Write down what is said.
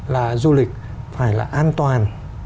là du lịch phải là an toàn